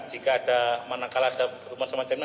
jika ada mana kala ada pertemuan semacamnya